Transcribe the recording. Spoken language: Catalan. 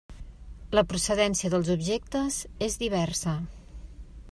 La procedència dels objectes és diversa: